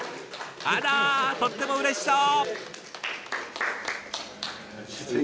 あらとってもうれしそう。